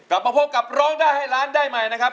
กลับมาพบกับโรงด้านไฮไลน์ได้ใหม่นะครับ